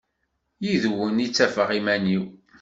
Yid-wen i ttafeɣ iman-iw.